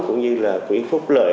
cũng như là quỹ phúc lợi